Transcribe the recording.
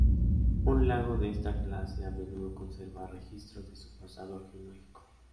Un lago de esta clase a menudo conserva registros de su pasado geológico.